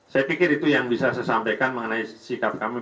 saya pikir itu yang bisa saya sampaikan mengenai sikap kami